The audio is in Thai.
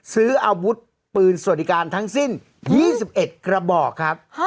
ซื้ออาวุธปืนสวัสดิการทั้งสิ้น๒๑กระบอกครับ